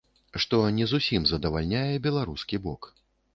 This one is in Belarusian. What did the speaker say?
Што не зусім задавальняе беларускі бок.